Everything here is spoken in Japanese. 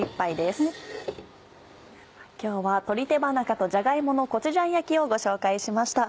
今日は「鶏手羽中とじゃが芋のコチュジャン焼き」をご紹介しました。